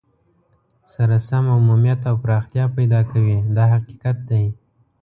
سره سم عمومیت او پراختیا پیدا کوي دا حقیقت دی.